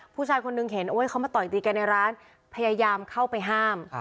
ผู้ชายคนนึงเห็นเขามาต่อยตีกันในร้านพยายามเข้าไปห้าม